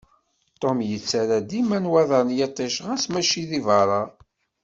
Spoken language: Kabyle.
Tom yettarra dima nnwaḍer n yiṭij, ɣas mačči deg berra.